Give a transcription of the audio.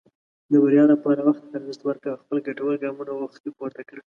د بریا لپاره وخت ته ارزښت ورکړه، او خپل ګټور ګامونه وختي پورته کړه.